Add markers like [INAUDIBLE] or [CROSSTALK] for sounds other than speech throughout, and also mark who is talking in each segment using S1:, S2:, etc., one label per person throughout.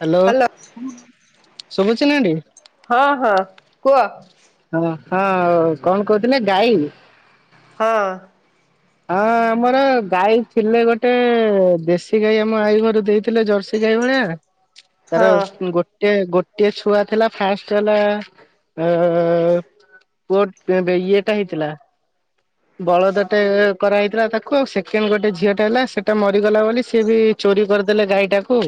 S1: Hello ଶୁଭୁଛି ନାଁ aunty?
S2: ହଁ ହଁ କୁହ।
S1: ହଁ ହଁ କଣ କହୁଥିଲେ ଗାଈ?
S2: ହଁ।
S1: ହଁ ଆମର ଗାଈ ଥିଲେ ଗୋଟେ ଦେଶୀ ଗାଈ ଆମ ଆଈ ଘର ଦେଇଥିଲେ ଜର୍ସି ଗାଈ ଭଳିଆ।
S2: ହଁ
S1: ତାର ଗୋଟ ଟେ ଗୋଟିଏ ଛୁଆ ଥିଲା ଫାଷ୍ଟ ହେଲା ଅ ପୁଅ ତେ ଟେ ଇଏଟା ହେଇଥିଲା। ବଳଦଟେ କରାହେଇଥିଲା ତାକୁ ଆଉ ସେକେଣ୍ଡ ଗୋଟେ ଝିଅଟେ ହେଲା ସେଟା ମରିଗଲା ବୋଲି ସିଏ ବି ଚୋରି କରିଦେଲେ ଗାଈ ଟାକୁ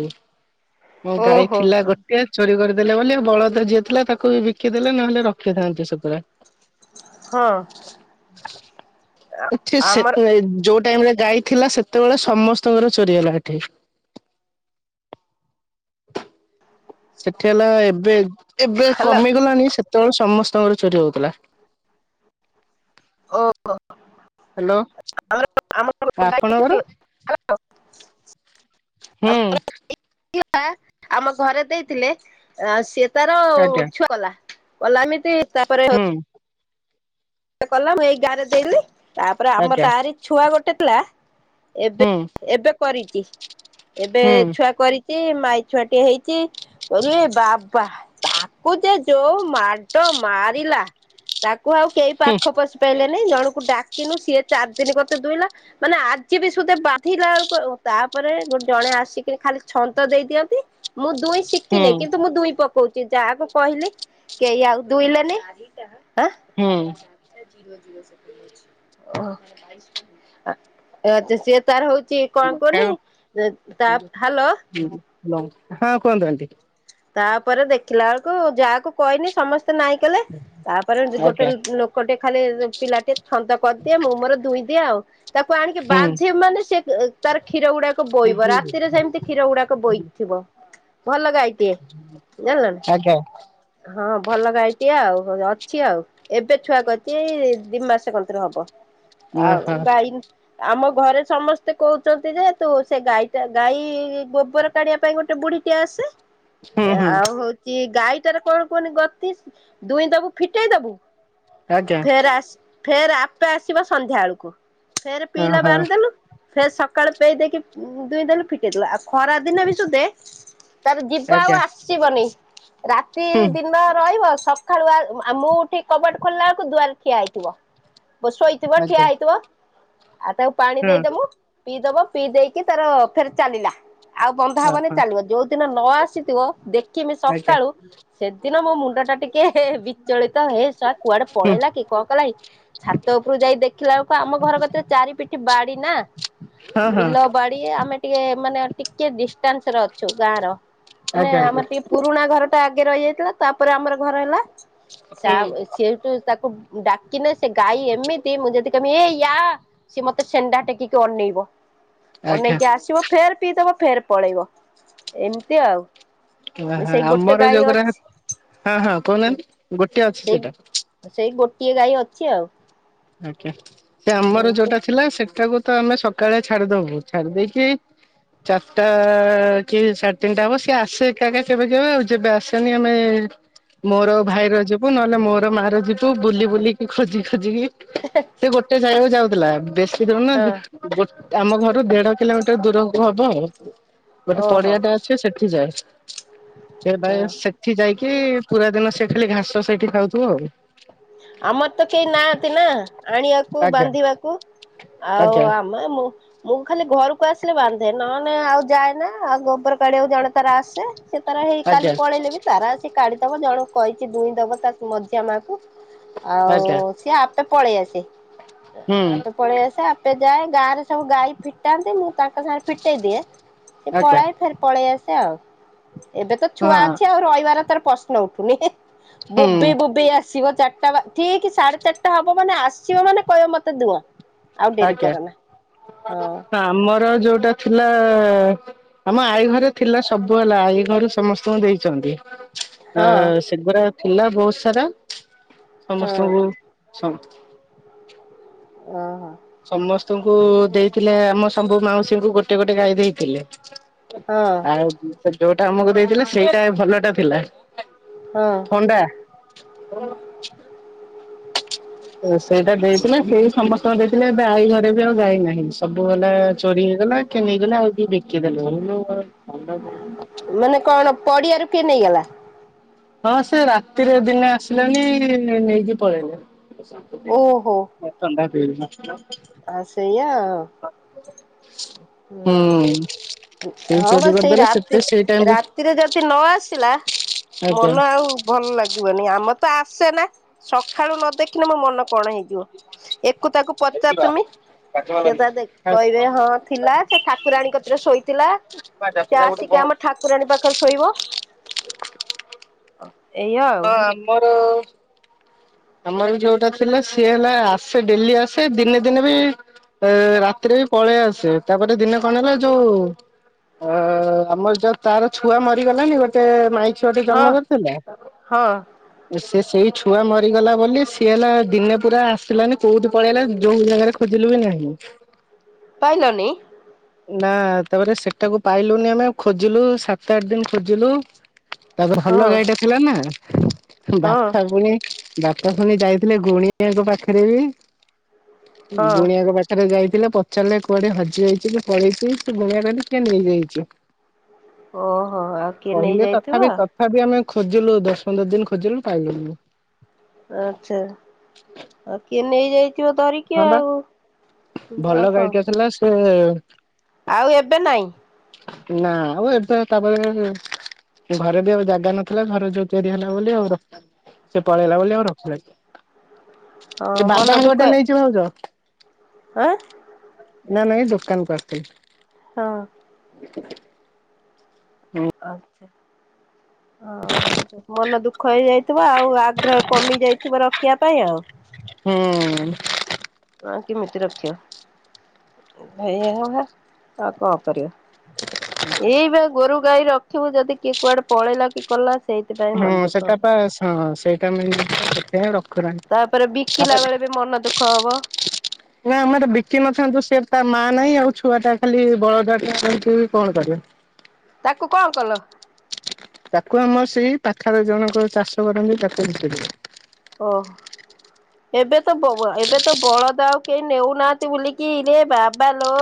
S1: ମୋ ଗାଈ
S2: ଓହୋ
S1: ଥିଲା ଗୋଟିଏ। ଚୋରି କରିଦେଲେ ବୋଲି ଆଉ ବଳଦର ଯିଏ ଥିଲା ତାକୁ ବି ବିକିଦେଲେ ନହେଲେ ରଖିଥାନ୍ତୁ ସେ ପୁରା।
S2: ହଁ।
S1: ଠି ସେ
S2: ଆମର
S1: ଯୋଉ ଟାଇମ ରେ ଗାଈ ଥିଲା ସେତେବେଳେ ସମସ୍ତଙ୍କର ଚୋରି ହେଲା ହେଠି। ସେଠି ହେଲା ଏବେ ଏବେ
S2: ହ୍ୟାଲୋ
S1: କମିଗଲଣିି ସେତେବେଳେ ସମସ୍ତଙ୍କର ଚୋରି ହଉଥିଲା।
S2: ଓ
S1: ହ୍ୟାଲୋ
S2: [INAUDIBLE] ଆମ
S1: ଆପଣଙ୍କର
S2: [INAUDIBLE] ହ୍ୟାଲୋ।
S1: ହୁଁ।
S2: ଆମ ଘରେ ଦେଇଥିଲେ ଆଁ ସିଏ ତାର
S1: ଆଜ୍ଞା
S2: ଛୁଆ କଲା। କଲା ଆମିତି ତାପରେ ହୋ
S1: ହଁ।
S2: କଲା ମୁ ଏଇ ଗାଁରେ ଦେଇଦେଲି ତାପରେ ଆମର
S1: ଆଜ୍ଞା
S2: ତାରି ଛୁଆ ଗୋଟେ ଥିଲା ଏବେ
S1: ହୁଁ
S2: ଏବେ କରିଛି ଏବେ
S1: ହୁଁ
S2: ଛୁଆ କରିଛି। ସେ ମାଇ ଛୁଆଟିଏ ହେଇଛି। କହୁଚି ଏ ବାବା ତାକୁ ଯେ ଯୋଉ ମାଡ ମାରିଲା। ତାକୁ ଆଉ କେହି ପାଖ ପଶି ପାରଲେନି ଜଣକୁ ଡାକିନୁ ସିଏ ଚାରି ଦିନ କତୁରୁ ଦୁହିଁଲା। ମାନେ ଆଜି ବି ସୁଧା ବାନ୍ଧିଲା ବେଳକୁ ତାପରେ ଗୋ ଜଣେ ଆସିକି ଖାଲି ଛନ୍ଦ ଦେଇ ଦିଅନ୍ତି ମୁଁ ଦୁଇ ଶିକିନି
S1: ହୁଁ
S2: କିନ୍ତୁ ମୁଁ ଦୁଇ ପ କହୁଛି ଯାହାକୁ କହିଲି କେହି ଆଉ ଦୁଇଲେନି, ଆଁ?
S1: ହୁଁ।
S2: ଓହ, ଅ ଯେ, ସେ ତାର ହଉଚି କଣ ପୋନି
S1: ହୁଁ
S2: ତା। ହାଲୋ?
S1: ଉହୁଁ। ହ୍ୟାଲ ହଁ କୁହନ୍ତୁ ଆଣ୍ଟି।
S2: ତାପରେ ଦେଖିଲା ବେଳକୁ ଯାହାକୁ କହିନି ସମସ୍ତେ ନାଇଁ କଲେ ତାପରେ ଗୋଟେ
S1: ଆଜ୍ଞା
S2: ଲୋ-କ ଟେ ଖାଲି ପିଲା ଟେ ଛନ୍ଦ କରିଦିଏ ମୁଁ ମୋର ଦୁଇ ଦିଏ ଆଉ। ତାକୁ ଆଣିକି
S1: ହୁଁ
S2: ବାନ୍ଧିବୁ ମାନେ ସେ ତାର କ୍ଷୀର ଗୁଡାକ ବୋଇବ ରାତିରେ ସେମିତି କ୍ଷୀର ଗୁଡାକ ବୋଇଥିବ। ଭଲ ଗାଈ ଟିଏ।
S1: [INAUDIBLE]
S2: ଜାନ୍ଲ ନା,
S1: ଆଜ୍ଞା
S2: ହଁ ଭଲ ଗାଈଟିଏ ଆଉ ଅଛି ଆଉ। ଏବେ ଛୁଆ କରିଚି ଦି ମାସ କନ୍ତରେ ହବ
S1: ଓହୋ
S2: ଆଉ ଗାଈ ଆମ ଘରେ ସମସ୍ତେ କହୁଚନ୍ତି ଯେ ତୁ ସେ ଗାଈଟା ଗାଈ-ଗୋବର କାଢିବା ପାଇଁ ଗୋଟେ ବୁଢୀ କିଏ ଆସେ
S1: ହୁଁ ହୁଁ
S2: ଆଉ ହଉଛି ଗାଈଟାରେ କଣ କୁହନି ଗତି ଦୁଇଁ ଦବୁ ଫିଟେଇ ଦବୁ
S1: ଆଜ୍ଞା
S2: ଫେର ଆ ଫେର ଆପେ ଆସିବ ସନ୍ଧ୍ୟା ବେଳକୁ ଫେର ପିଇଲା
S1: ଓହୋ
S2: ବାନ୍ ଦେଲୁ ଫେର ସକାଳୁ ପେଇଇ ଦେଇକି ଦୁଇ ଦେଲୁ ଫିଟିେଇ ଦେଲୁ ଆଉ ଖରା ଦିନ ବି ସୁଧେ ତାର
S1: ଆଜ୍ଞା
S2: ସିବନି ରାତି
S1: ହୁଁ
S2: ଦିନ ରହିବ ସ ସଖାଳୁଆ ଆ ମୁଁ ଉଠିକି କବାଟ ଖୋଲିଲା ବେଳକୁ ଦୁଆରେ ଠିଆ ହେଇଥିବ ଶୋଇଥିବ ଠିଆ
S1: ଆଜ୍ଞା ହଁ
S2: ହେଇଥିବ ଆଉ ତାକୁ ପାଣି ଦେଇଦବୁ ପିଇଦବ ପିଇ ଦେଇକି ତାର ଫେର ଚାଲିଲା ଆଉ ବନ୍ଧା ହବନି
S1: ଓହୋ
S2: ଚାଲିବ ଯୋଉ ଦିନ ନ ଆସିଥିବ ଦେଖିମି
S1: ଆଜ୍ଞା
S2: ସକାଳୁ ସେଦିନ ମୋ ମୁଣ୍ଡ ଟା ଟିକେ ବିଚଳିତ ହେସ କୁଆଡେ
S1: ହୁଁ
S2: ପଳେଇଲା କି କଣ କଲା ଛାତ ଉପରୁ ଯାଇ ଦେଖିଲା ବେଳକୁ ଆମ ଘର କତରେ ଚାରିପିଠି ବାଡି ନା
S1: ହଁ ହଁ
S2: ବାଡ଼ି ଆମେ ଟିକେ ମାନେ ଟିକେ ଡିଷ୍ଟାନ୍ସରେ ଅଛୁ ଗାଁର ମାନେ
S1: ଆଜ୍ଞା ଆଜ୍ଞା।
S2: ଆମର ଟିକେ ପୁରୁଣା ଘର ଟା ଆଗେ ରହିଯାଇଥିଲା ତାପରେ ଆମର ଘର ହେଲା ସେଠୁ ତାକୁ ଡାକିନେ ସେ ଗାଈ ଏମିତି ମୁଁ ଯଦି କହିବି ଏ ୟା ସିଏ ମତେ ସେଣ୍ଡା ଟେକିକି ଅନେଇବ
S1: ଆଜ୍ଞା
S2: ଅନେଇକି ଆସିବ ଫେର୍ ପିଇଦବ ଫେର୍ ପଳେଇବ ଏମିତି ଆଉ
S1: ଓହ
S2: ସେଇ ଗୋଟେ
S1: ଆମର
S2: ଗାଈ
S1: ଯୋଉଗଡା
S2: ଅଛି
S1: ହଁ ହଁ କହୁନାହାନ୍ତି ଗୋଟେ ଅଛି
S2: ସେଇ
S1: ସେଇଟା
S2: ସେଇ ଗୋଟିଏ ଗାଈ ଅଛି ଆଉ
S1: ଆଜ୍ଞା ସେ ଆମର
S2: ହୁଁ ତୁ
S1: ଯୋଉଟା ଥିଲା ସେଟାକୁ ତ ଆମେ ସକାଳେ ଛାଡିଦବୁ ଛାଡି ଦେଇକି ଚାରିଟା କି ସାଢେ ତିନିଟା ହବ ସିଏ ଆସେ ଏକାକି କେବେ କେବେ ଆଉ ଯେବେ ଆସେନି ଆମେ ମୋର ଭାଇର ଯିବୁ ନହେଲେ ମୋର ମା ର ଯିବୁ ବୁଲି ବୁଲିକି ଖୋଜି ଖୋଜିକି
S2: ହେ ହେ
S1: ସେ ଗୋଟେ ଜାଗାକୁ ଯାଉଥିଲା ବେଶୀ
S2: ହଁ
S1: ଦଉନାହାନ୍ତି ଗୋ ଆମ ଘରୁ ଦେଢ କିଲୋମିଟର ଦୂରକୁ ହବ ଆଉ ଗୋଟେ
S2: ଓହୋ
S1: ପଡିଆଟା ସେ ସେଠି ଯାଏ ସେ ଭାଇ
S2: ହଁ
S1: ସେ ଏଠି ଯାଇକି ପୁରା ଦିନ ସେ ଖାଲି ଘାସ ସେଇଠି ଖାଉଥିବ ଆଉ
S2: ଆମର ତ କେହି ନାହାନ୍ତି ନା ଆଣିବାକୁ
S1: ଆଜ୍ଞା
S2: ବାନ୍ଧିବାକୁ ଆଉ
S1: ଆଜ୍ଞା
S2: ମା ମୁଁ ମୁଁ ଖାଲି ଘରକୁ ଆସିଲେ ବାନ୍ଧେ ନହେଲେ ଆଉ ଯାଏ ନା ଆଉ ଗୋବର କାଢିଆ ଆକୁ ଜଣେ ତାର ଆସେ ସେ ତାର ହେଇ
S1: ଆଜ୍ଞା
S2: କାଲି ପଳେଇଲେ ବି ତାରା ସେ କାଢିଦବ ଜଣ କହିଛି ଦୁଇଁ ଦବ ତା ମଝିଆ ମା କ ଆଉ
S1: ଆଜ୍ଞା
S2: ସିଏ ଆପେ ପଳେଇ ଆସେ
S1: ହୁଁ
S2: ଆପେ ପଳେଇ ଆସେ ଆପେ ଯାଏ ଗାଁରେ ସବୁ ଗାଈ ଫିଟାନ୍ତି ମୁଁ ତାଙ୍କ ସାଙ୍ଗରେ ଫିଟେଇ ଦିଏ ସେ
S1: ଆଜ୍ଞା।
S2: ପଳାଇଏ ଫେର ପଳେଇ ଆସେ ଆଉ ଏବେ ତ
S1: ହଁ
S2: ଛୁଆ ଅଛି ଆଉ ରହିବାର ତାର ପଶ ଉଠୁନି
S1: ହୁଁ
S2: ବୋବେଇ ବୋବେଇ ଆସିବ ଚାରିଟା ବା ଠିକ ସାଢେ ଚାରିଟା ହବ ମାନେ ଆସିବ ମାନେ କହିବ ମତେ ଦୁହଁ ହଁ
S1: ଆଜ୍ଞା ଆମର ଯୋଉଟା ଥିଲା ଆମ ଆଈ ଘରେ ଥିଲା ସବୁ ହେଲା ଆଈ ଘରୁ ସମସ୍ତଙ୍କୁ ଦେଇଛନ୍ତି ଅ
S2: ହଁ।
S1: ସେଗୁଡା ଥିଲା ବହୁତ ସାରା
S2: ହଁ
S1: ସମସ୍ତଙ୍କୁ
S2: ଓହୋ
S1: ସମସ୍ତଙ୍କୁ ଦେଇଥିଲେ ଆମ ସବୁ ମାଉସୀଙ୍କୁ ଗୋଟେ ଗୋଟେ ଗାଈ ଦେଇଥିଲେ
S2: ହଁ
S1: ଆଉ ସେ ଯୋଉଟା ଆମକୁ ଦେଇଥିଲା ସେଇଟା ଭଲ ଟା ଥିଲା
S2: ହଁ
S1: କଣ୍ଡା ସେଇଟା ଦେଇଥିଲା ସେଇ ସମସ୍ତଙ୍କୁ ଦେଇଥିଲେ ଏବେ ଗାଈ ଘରେ ବି ଆଉ ଗାଈ ନାହିଁ ସବୁ ହେଲା ଚୋରି ହେଇଗଲା କିଏ ନେଇଗଲେ ଆଉ କିଏ ବିକିଦେଲ
S2: ମାନେ କଣ ପଡ଼ିଆରୁ କିଏ ନେଇଗଲା?
S1: ହଁ ସେ ରାତିରେ ଦିନେ ଆସିଲାନି ନେ ନେଇକି ପଳେଇଲେ।
S2: ଓହୋ।
S1: ଏ ତମେ ପା ଭିଡୁ ନଥିଲ।
S2: ଆ ସେୟା ଆଉ।
S1: ହୁଁ
S2: ହଁ
S1: ସେ
S2: ହଁ ବା
S1: ଚୋରି
S2: ସେଇ
S1: କରିଦେଲେ
S2: ରାତି
S1: ସେତେ ସେଇ
S2: ରା
S1: ଟାଇମରେ
S2: ତିରେ ଯଦି ନ ଆସିଲା
S1: ଆଜ୍ଞା
S2: ମନ ଆଉ ଭଲ ଲାଗିବନି ଆମ ତ ଆସେନା ସକାଳୁ ନ ଦେଖିଲେ ମୋ ମନ କଣ ହେଇଯିବ। ଏକୁ ତାକୁ ପଚାରୁତୁମି ସିଏ ତା ଦେ କହିବେ ହଁ ଥିଲା ସେ ଠାକୁରାଣୀ କତିରେ ଶୋଇଥିଲା ସେ ଆସିକି ଆମ ଠାକୁରାଣୀ ପାଖରେ ଶୋଇବ ଏଇଆ ଆଉ।
S1: ଆମର ଆମର ବି ଯୋଉଟା ଥିଲା ସିଏ ହେଲା ଆସେ ଡ଼େଲି ଆସେ ଦିନେ ଦିନେ ବି ଏ ରାତିରେ ବି ପଳେଇ ଆସେ ତାପରେ ଦିନେ କଣ ହେଲା ଯୋଉ ଅ ଆମର ଯୋଉ ତାର ଛୁଆ ମରିଗଲାନି ଗୋଟେ ମାଇ ଛୁଆଟି
S2: ହଁ
S1: ଜନ୍ମ କରିଥିଲା
S2: ହଁ
S1: ସେ ସେଇ ଛୁଆ ମ ରିଗଲା ବୋଲି ସିଏ ହେଲା ଦିନେ ପୁରା ଆସିଲାନି କୋଉଠି ପଳେଇଲା ଯୋଉ ଜାଗାରେ ଖୋଜିଲୁ ବି ନାହିଁ।
S2: ପାଇଲନି?
S1: ନା ତାପରେ ସେଟାକୁ ପାଇଲୁନି ଆମେ ଖୋଜିଲୁ ସାତ ଆଠ ଦିନ ଖୋଜିଲୁ। ତାପ
S2: ହଁ
S1: ଭଲ ଗାଈଟା ଥିଲା ନା
S2: ହଁ
S1: ବାପା ପୁଣି ବାପା ଫୁଣି ଯାଇଥିଲେ ଗୁଣିଆଙ୍କ ପାଖରେ ବି
S2: ହଁ
S1: ଗୁଣିଆଙ୍କ ପାଖ ଖରେ ଯାଇଥିଲେ ପଚାରିଲେ କୁଆଡ଼େ ହଜି ଯାଇଚି? ପଳେଇଚି ସେ ଗୁଣିଆ କହିଲେ କିଏ ନେଇଯାଇଚି।
S2: ଓହୋ ଆଉ କିଏ
S1: କହିଲେ
S2: ନେଇଯାଇଥିବ
S1: ତଥାପି ତଥାପି ଆମେ ଖୋଜିଲୁ ଦଶ ପନ୍ଦର ଦିନ ଖୋଜିଲୁ ପାଇଲୁନି।
S2: ଆଚ୍ଛା ଆଉ କିଏ ନେଇଯାଇ ଥିବ ଧରିକି
S1: ହଁ ବା
S2: ଆଉ ଆଉ କଣ କରି
S1: ଅ ସେ
S2: ଆଉ ଏବେ ନାଇଁ।
S1: ନା ଆଉ ଏବେ ତାପରେ ଘରେ ବି ଆଉ ଜାଗା ନଥିଲା ଘର ଯୋଉ ତିଆରି ହେଲା ବୋଲି ଆଉ ର ସେ ପଳେଇଲା ବୋଲି ଆଉ ରଖିଲେନି
S2: ହଁ
S1: ଏ
S2: ମନ
S1: ବାଦାମ
S2: ଦୁଃଖ
S1: ଗୋଟେ ନେଇଚି ଭାଉଜ।
S2: ଆଁ
S1: ନା ନା ଏଇ ଦୋକାନକୁ ଆସିଥିଲି।
S2: ହଁ।
S1: ଦେ
S2: ଆଛା ଆ ହ ମନ ଦୁଃ ଖ ହେଇଯାଇଥିବ ଆଉ ଆଗ୍ରହ କମି ଯାଇଥିବ ରଖିବା ପାଇଁ ଆଉ।
S1: ହୁଁ।
S2: ହଁ କେମିତି ରଖିବ [UNINTELLIGIBLE] ଆଉ କଁ କରିବ? ଏଇବା ଗୋରୁ ଗାଈ ରଖିବୁ ଯଦି କିଏ କୁଆଡ଼େ ପଳେଇଲା କି କଲା ସେଇଥିପାଇଁ
S1: ହଁ
S2: ମନ ଦୁଃଖ ହବ
S1: ସେଟାପା ହଁ ସେଇଟା ମେନ୍ ଜିନିଷ ସେଇଥିପାଇଁ ଆ ର
S2: ତାପରେ ବିକିଲା ବେଳେ ବି ମନ ଦୁଃଖ ହବ।
S1: ନା ଆମର ବିକିିନଥାନ୍ତୁ ସେ ତା ମା ନାହିଁ ଆଉ ଛୁଆଟା ଖାଲି ବଳଦଟା ରହିକି ବି କଣ କରିବ?
S2: ତାକୁ କଣ କଲ?
S1: ତାକୁ ଆମର ସେଇ ପାଖାପାଖି ଜଣଙ୍କର ଚାଷ କରନ୍ତି ତାକୁ ବିକିଦେଲୁ।
S2: ଓଃ ଏବେ ତ ବୋଉଆ ଏବେ ତ ବଳଦ ଆଉ କେ ନେଉନାହାଁନ୍ତି ବୁଲିକି ରେ ବାବା ଲୋ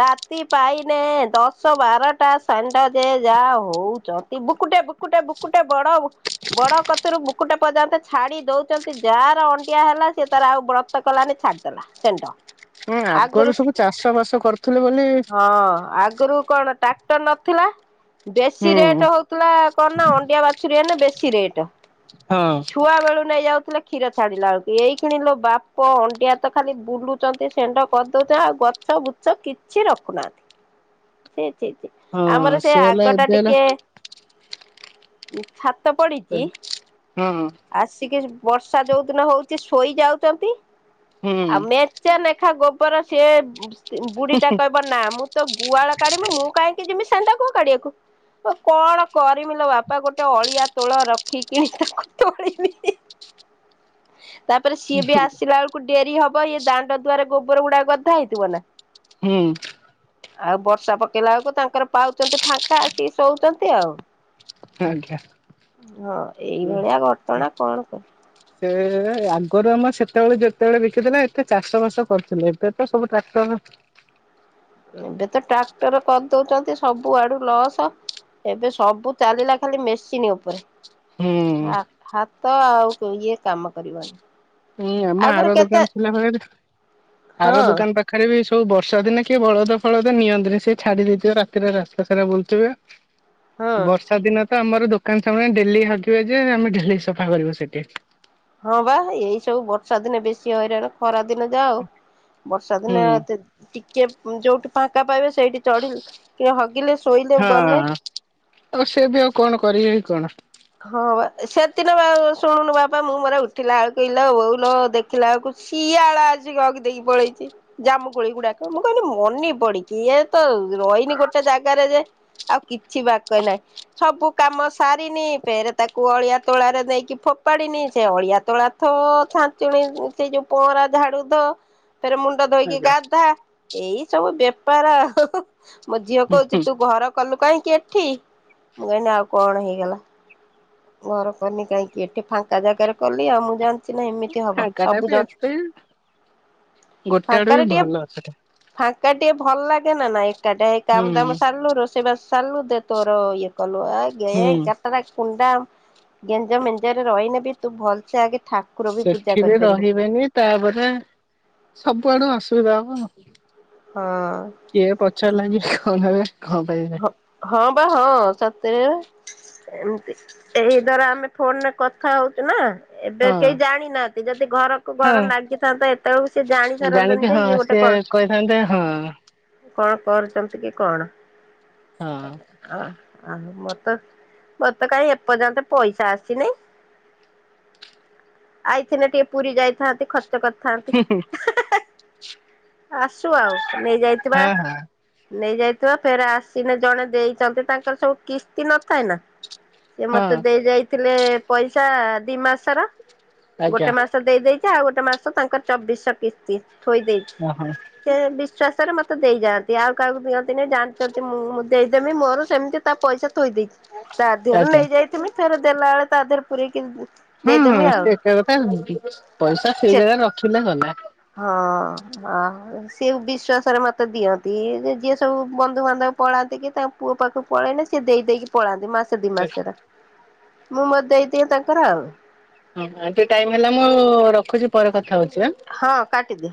S2: ରାତି ପାଇନେ ଦଶ ଶ ବାରଟା ଷେଣ୍ଢ ଯେ ଯାହା ହଉଚନ୍ତି ବୁକୁଟେ ବୁକୁଟେ ବୁକୁଟେ ବଡ ବୁ ବଡ କତିରୁ ବୁକୁଟେ ପର୍ଯ୍ୟନ୍ତେ ଛା ଛାଡି ଦଉଛନ୍ତି ଯାହାର ଅଣ୍ଡିଆ ହେଲା ସେ ତାର ଆଉ ବ୍ରତ କଲାନି ଛାଡିଦେଲା ଷେଣ୍ଢ।
S1: ହୁଁ ଆଗରୁ
S2: ଆଗୁରୁ ସେ
S1: ସବୁ ଚାଷ ବାସ କରୁଥିଲେ ବୋଲି
S2: ହଁ ଆଗୁରୁ କଣ ଟ୍ରାକ୍ଟର ନଥିଲା ବେଶୀ
S1: ହୁଁ
S2: ରେଟ ହଉଥିଲା କଣ ନା ଅଣ୍ଡିଆ ବାଛୁରୀ ହେନେ ବେଶୀ ରେଟ।
S1: ହଁ।
S2: ଛୁଆବେଳୁ ନେଇ ଯାଉଥିଲେ କ୍ଷୀର ଛାଡ଼ିଲା ବେଳକୁ ଏଇକ୍ଷୀଣିଲୋ ବାପ ଅଣ୍ଡିଆ ତ ଖାଲି ବୁଲୁ ଚନ୍ତି ଷେଣ୍ଢ କରିଦଉଛନ୍ତି ଆଉ ଗଛ ବୁଛ କିଛି ରଖୁନାହାନ୍ତି ଛି ଛି ଛି
S1: ହଁ
S2: ଆମର ସେ
S1: ହେଲା
S2: ଆଗ ଟା
S1: ଏବେ ହେଲା
S2: ଟିକେ ଉଁ ଛାତ୍
S1: [UNINTELLIGIBLE] ହଁ।
S2: ଆସିକି ବର୍ଷା ଯୋଉ ଦିନ ହଉଛି ଶୋଇଯାଉଚନ୍ତି।
S1: ହୁଁ
S2: ଆଉ ମେଞ୍ଚେ ନେଖା ଗୋବର ସିଏ ସ୍ତି ବୁଢୀ ଟା କହିବ ବ ନା ମୁଁ ତ ଗୁହାଳ କାଢିବି ମୁଁ କାହିଁକି ଯିମି ଷେଣ୍ଢ ଗୁଅ କାଢିବାକୁ ବ ବ କଣ କରିମିଲ ବାପା ଗୋଟେ ଅଳିଆ ତୋଳ ରଖି କିଣି ତାକୁ ତୋଳିବି ତାପରେ ସିଏ ବି ଆସିଲା ଆଳ୍ କୁ କୁ ଡେରି ହବ ଇଏ ଦାଣ୍ଡ ଦୁଆରେ ଗୋବର ଗୁଡା ଗଦା ହେଇଥିବ ନା?
S1: ହୁଁ।
S2: ଆଉ ବର୍ଷା ପକେଇଲା ବେଳକୁ ତାଙ୍କର ପାଉଛନ୍ତି ଫାଙ୍କା ଆସିକି ଶୋଉଚନ୍ତି ଆଉ।
S1: ଆଜ୍ଞା।
S2: ହଁ ଏଇଭଳିଆ ଘଟଣା କଣ କ
S1: ସେଇପା ଆଗରୁ ଆମର ସେତେବେଳେ ଯେତେବେଳେ ବିକିଥିଲା ଏତେ ଚାଷ ବାସ କରିଥିଲେ ଏବେ ତ ସବୁ ଟ୍ରାକ୍ଟର।
S2: ଏବେ ତ ଟ୍ରାକ୍ଟର କରିଦଉଛନ୍ତି ସବୁ ଆଡୁ ଲସ। ଏବେ ସବୁ ଚାଲିଲା ଖାଲି ମେସିନ୍ ଓପରେ।
S1: ହୁଁ
S2: ଆ ହାତ ଆଉ ଇଏ କାମ କରିବନି।
S1: ଏଇ ଆମ
S2: ଆଗରୁ
S1: ଆର
S2: କେତେ
S1: ଦୋକାନ ଥିଲା ପାଖରେ ଯେ
S2: ହଁ
S1: ଆର ଦୋକାନ ପା ପାଖରେ ବି ସବୁ ବର୍ଷା ଦିନେ କିଏ ବଳଦ ଫଳଦ ନିଅନ୍ତିିନି ସେଏ ଛାଡି ଦେଇଥିବ ରାତିରେ ରାସ୍ତା ସାରା ବୁଲଥିବେ।
S2: ହଁ।
S1: [INAUDIBLE] ବର୍ଷା ଦିନେ ତ ଆମର ଦୋକାନ ସାମ୍ନା ରେ ଡେଲି ହଗିବେ ଯେ ଆମେ ଡେଲି ସଫା କରିବୁ ସେଠି।
S2: ହଁ ବା ଏଇ ସବୁ ବର୍ଷା ଦିନେ ବେଶୀ ହଇରାଣ। ଖରା ଦିନେ ଯାଉ ବର୍ଷା ଦିନେ
S1: ହୁଁ
S2: ତ ଟିକେ ଉଁ ଯୋଉଠି ଫାଙ୍କା ପାଇବେ ସେଇଠି ଚଢ଼ିଲ କିଏ ହଗିଲେ, ଶୋଇଲେ,
S1: ହଁ
S2: ଗଲେ।
S1: ଆଉ ସେ ବି ଆଉ କଣ କରିବେ ବି କଣ।
S2: ହଁ ବା ସେଦିନ ବା ଶୁଣୁନୁ ବାପା ମୁଁ ମୋର ଉଠିଲା ବେଳକୁ ଇଲୋବୋଉଲୋ ଦେ ଦେଖିଲା ବେଳକୁ ଶିଆଳ ଆସିକି ହଗି ଦେଇକି ପଳେଇଛି। ଜାମୁ କୋଳି ଗୁଡାକ। ମୁଁ କହିନି, ମନି ପଡିକି ଇଏ ତ ରହିନି ଗୋଟେ ଜାଗାରେ ଯେ ଆଉ କିଛି ବାକ ନାହିଁ ସବୁ କାମ ସାରିନି ଫେରେ ତାକୁ ଅଳିଆ ତୋଳାରେ ନେଇକି ଫୋପାଡିନି। ସେ ଅଳିଆ ତୋଳା ଥୋ ଛା ଞ୍ଚୁଣି ସେ ଯୋଉ ପହଁରା ଝାଡୁ ଧ ଫେରେ ମୁ ମୁଣ୍ଡ ଧୋଇକି
S1: ଆଜ୍ଞା
S2: ଗାଧା ଏଇ ସବୁ ବେପାର ଆଉ ମୋ ଝିଅ
S1: ହୁଁ
S2: କହୁଛି
S1: ହୁଁ
S2: ତୁ ଘର କଲୁ କାହିଁକି ଏଠି ମୁଁ କହିନି ଆଉ କଣ ହେଇଗଲା। ଘର କନି କାହିଁକି ଏଠି ଫାଙ୍କା ଜାଗାରେ କଲି ଆଉ ମୁଁ ଜାଣି ସିନେ ଏମିତି ହବ
S1: ଫାଙ୍କା ଟା
S2: ସବୁ
S1: ବି
S2: ଜନ୍
S1: ଏତେ ଗୋଟେ ଆଡୁ ବି
S2: ଫାଙ୍କାରେ ଟିକେ
S1: ଭଲ ସେଟା
S2: ଫାଙ୍କା ଟିକେ ଭଲ ଲାଗେ ନା ନାଇଁ ଏକାଟା ଏ
S1: ହୁଁ
S2: କାମ ଦାମ ସାରିଲୁ ରୋସ୍ ସେ ବାସ ସାରିଲୁ ଦେ ତୋର ଇଏ କଲୁ ଆ ଗେ
S1: ହୁଁ
S2: କଟର କୁଣ୍ଡା। ଗେଞ୍ଜ ମେଞ୍ଜରେ ରହିନେବି ତୁ ଭଲସେ ଆଗେ ଠାକ୍
S1: ସେଠି ବି ରହିବେନି ତାପରେ ସବୁଆଡୁ ଅସୁବିଧା ହବ ଆଉ।
S2: ହଁ।
S1: କିିଏ ପଚାରିଲା କି କଣ ହେବେ କଣ ପାଇବେ?
S2: ହଁ - ହଁ ବା ହଁ ସତରେ। ଏମତି ଏଇ ଦ୍ଵାରା ଆମେ ଫୋନ ରେ କଥା ହଉଚୁ ନା। ଏବେ
S1: ହଁ
S2: କେହି ଜାଣିନାହାନ୍ତି ଯଦି ଘରକୁ ଘର
S1: ହଁ
S2: ନାଗିଥାନ୍ତା ଏତେବେଳକୁ ସେ ଜାଣି ସାରନ୍ତନା ଯେ ଇଏ ଗୋଟେ
S1: ଏ
S2: କଣ
S1: କହିଥାନ୍ତେ ହଁ।
S2: କଣ କରୁଛନ୍ତି କି କଣ?
S1: ହଁ।
S2: ହ ଆ ମତ ମରତ କାହିଁ ଏପର୍ଯ୍ୟନ୍ତ ପଇସା ଆସିନି? ଆଇଥିନେ ଟିକେ ପୁରୀ ଯାଇଥାନ୍ତି ଖର୍ଚ୍ଚ କରି ଥାନ୍ତି ଏ ହେ ହେ ଆସୁ ଆଉ ନେଇ ଯାଇଥିବା।
S1: ହଁ ହଁ
S2: ନେଇଯାଇଥିବା ଫେରେ ଆସିଲେ ଜଣେ ଦେଇଛନ୍ତି ତାଙ୍କର ସବୁ କିସ୍ତି ନଥାଏ ନା। ସେ ମତେ
S1: ହଁ
S2: ଦେଇ ଯାଇଥିଲେ ପଇସା ଦି ମାସର
S1: ଆଜ୍ଞା
S2: ଗୋଟେ ମାସ ଦେଇ ଦାଇ ଥା ଆଉ ଗୋଟେ ମାସ ତାଙ୍କର ଚବିଶହ କିସ୍ତି ଥୋଇ ଦେଇଛି।
S1: ଓହୋ
S2: ସେ ବିଶ୍ଵାସ ରେ ମତେ ଦେଇ ଯାଆନ୍ତି ଆଉ କାହାକୁ ଦିଅନ୍ତନି ଜାଣିଛ ମୁଁଁ ଦେଇଦେମି ମୋର ସେମିତି ତା ପଇସା ଥୋଇ ଦେଇଛି ତା ଦେହରୁ
S1: ଆଜ୍ଞା
S2: ନେଇ ଯାଇଥିବି। ଫେରେ ଦେଲା ବେଳେ ତାଦରେ ପୁରେଇକି
S1: ହଁ
S2: ଦେଇଦେମି ଆଉ
S1: ସେ ଏକା କଥା ପଇସା
S2: ସେ
S1: ସେଇ ଜାଗାରେ ରଖିଲେ ଗଲା।
S2: ହଁ। ହଁ ସେ ବିଶ୍ଵାସରେ ମତେ ଦିଅନ୍ତି ଯେ ଯିଏ ସବୁ ବନ୍ଧୁବାନ୍ଧବ ପଳାନ୍ତି କି ତାଙ୍କ ପୁଅ ପାଖକୁ ପଳେଇଲେ ସେ ଦେଇ ଦେଇକି ପଳାନ୍ତି ମାସେ ଦି
S1: ଆଜ୍ଞା
S2: ମାସେରେ। ମୁଁ ମୋ ଦେଇ ଦିଏ ତାଙ୍କର ଆଉ।
S1: ହଁ ଆଜି ଟାଇମ ହେଲା ମ ରଖୁଛି ପରେ କଥା ହଉଛି ଆଁ।
S2: ହଁ କାଟିଦେ।